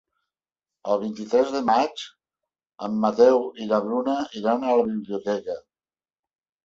El vint-i-tres de maig en Mateu i na Bruna iran a la biblioteca.